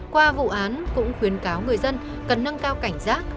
qua vụ án cũng khuyến cáo người dân cần nâng cao cảnh giác